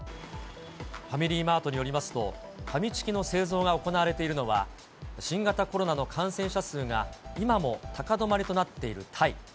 ファミリーマートによりますと、ファミチキの製造が行われているのは、新型コロナの感染者数が今も高止まりとなっているタイ。